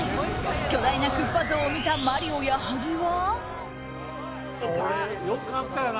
巨大なクッパ像を見たマリオ矢作は。